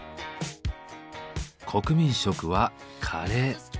国民食はカレー。